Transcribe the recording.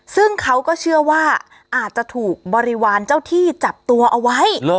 ซึ่งเขาก็เชื่อว่าอาจจะถูกบริวารเจ้าที่จับตัวเอาไว้